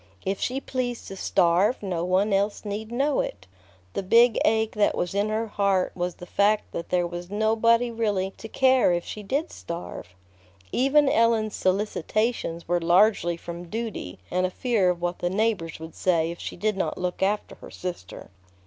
If she pleased to starve, no one else need know it. The big ache that was in her heart was the fact that there was nobody really to care if she did starve. Even Ellen's solicitations were largely from duty and a fear of what the neighbors would say if she did not look after her sister.